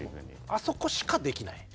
あそこしかできない。